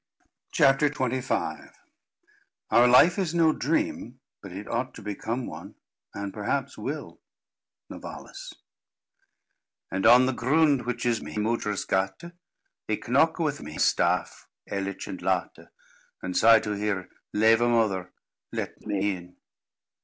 CHAPTER XXV "Our life is no dream; but it ought to become one, and perhaps will." NOVALIS. "And on the ground, which is my modres gate, I knocke with my staf; erlich and late, And say to hire, Leve mother, let me in."